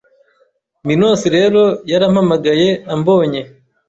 Minos rero yarampamagaye ambonye